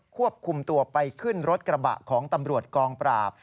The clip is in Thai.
ควบคุมตัวไปขึ้นรถกระบะของตำรวจกองปราบ